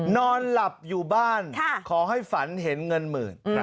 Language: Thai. นอนหลับอยู่บ้านขอให้ฝันเห็นเงินหมื่น